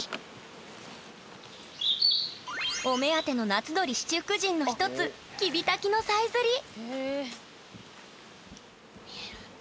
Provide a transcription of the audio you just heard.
お目当ての「夏鳥七福神」の一つキビタキのさえずり！